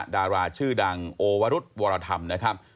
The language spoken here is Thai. ดาราชื่อดังโอวรุษวรธรรมนะครับ